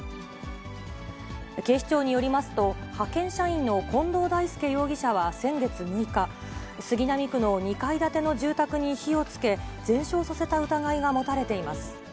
警視庁によりますと、派遣社員の近藤大輔容疑者は先月６日、杉並区の２階建ての住宅に火をつけ、全焼させた疑いが持たれています。